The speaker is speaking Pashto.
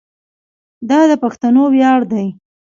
دا د پښتنو ویاړ دی.